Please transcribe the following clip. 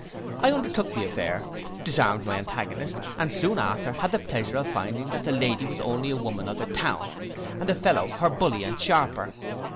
I undertook the affair, disarmed my antagonist, and soon after had the pleasure of finding that the lady was only a woman of the town, and the fellow her bully and a sharper.